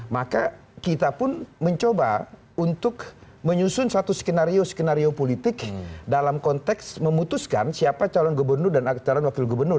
maka kita pun mencoba untuk menyusun satu skenario skenario politik dalam konteks memutuskan siapa calon gubernur dan calon wakil gubernur